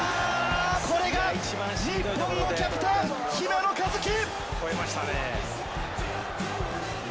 これが日本のキャプテン・姫野和樹！